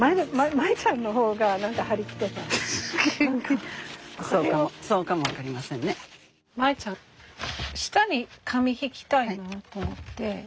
マエちゃん下に紙敷きたいなあと思って。